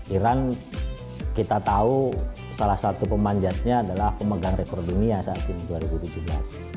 iran kita tahu salah satu pemanjatnya adalah pemegang rekor dunia saat ini dua ribu tujuh belas